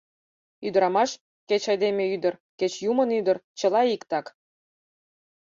Ӱдырамаш — кеч айдеме ӱдыр, кеч юмын ӱдыр — чыла иктак.